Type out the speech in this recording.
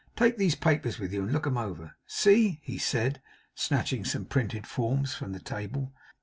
Take these papers with you and look 'em over. See,' he said, snatching some printed forms from the table.